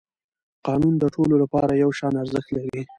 قانون د ټولو لپاره یو شان ارزښت لري